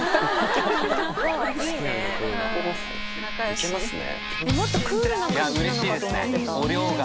いけますね。